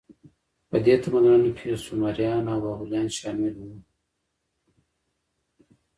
په دې تمدنونو کې سومریان او بابلیان شامل وو.